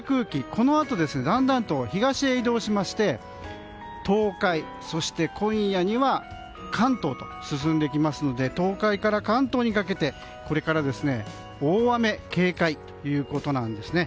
このあとだんだんと東へ移動しまして東海、今夜には関東と進んできますので東海から関東にかけてこれから大雨警戒ということなんですね。